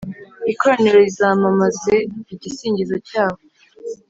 ikoraniro rizamamaze igisingizo cyabo.